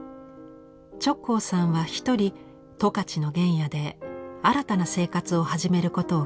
直行さんは一人十勝の原野で新たな生活を始めることを決意します。